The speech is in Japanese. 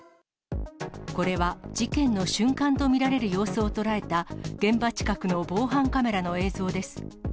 これは、事件の瞬間と見られる様子を捉えた、現場近くの防犯カメラの映像です。